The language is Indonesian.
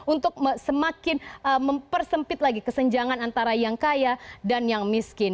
untuk semakin mempersempit lagi kesenjangan antara yang kaya dan yang miskin